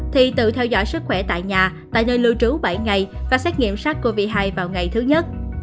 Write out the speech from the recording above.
thì tự theo dõi sức khỏe tại nhà tại nơi lưu trú bảy ngày và xét nghiệm sars cov hai vào ngày thứ nhất